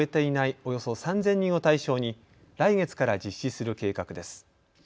およそ３０００人を対象に来月から実施する計画です。